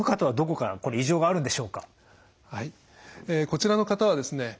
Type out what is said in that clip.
こちらの方はですね